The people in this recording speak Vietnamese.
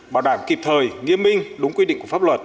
bảo đảm kịp thời nghiêm minh đúng quy định của pháp luật